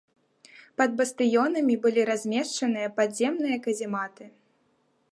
Пад бастыёнамі былі размешчаныя падземныя казематы.